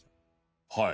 はい。